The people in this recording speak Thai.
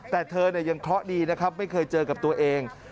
แต่เธอเนี่ยยังเคราะห์ดีนะครับไม่เคยเจอกับตัวเอง